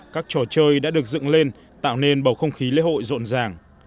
các trò chơi đã được dựng lên tạo nên bầu không khí lễ hội rộn ràng